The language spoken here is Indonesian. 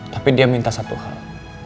tapi dia minta satu hal